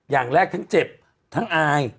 อย่างแรกทั้งเจ็บทั้งอาย